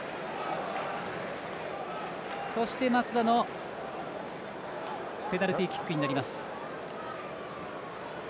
そして、松田のペナルティキックになります。